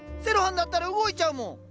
セロハンだったら動いちゃうもん。